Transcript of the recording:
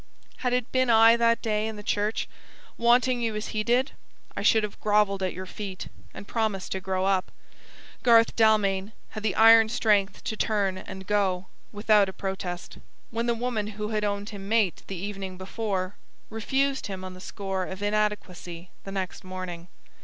Had it been I that day in the church, wanting you as he did, I should have grovelled at your feet and promised to grow up. Garth Dalmain had the iron strength to turn and go, without a protest, when the woman who had owned him mate the evening before, refused him on the score of inadequacy the next morning.